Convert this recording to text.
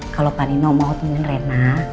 kalau panino mau temuin rena